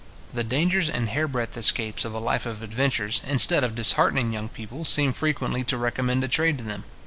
The dangers and hair breadth escapes of a life of adventures, instead of disheartening young people, seem frequently to recommend a trade to them.